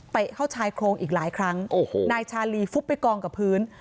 เข้าชายโครงอีกหลายครั้งโอ้โหนายชาลีฟุบไปกองกับพื้น